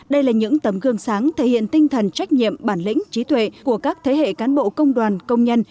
đây là những tấm gương sáng thể hiện tinh thần trách nhiệm bản lĩnh trí tuệ của các thế hệ cán bộ công đoàn công nhân